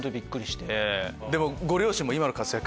ご両親も今の活躍